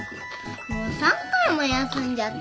もう３回も休んじゃったよ。